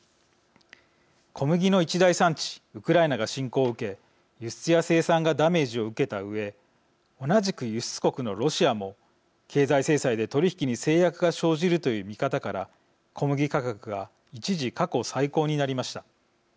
小麦の一大産地ウクライナが侵攻を受け輸出や生産がダメージを受けたうえ同じく輸出国のロシアも経済制裁で取り引きに制約が生じるという見方から小麦価格が一時過去最高になりました。